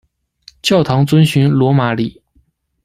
教堂遵循罗马礼。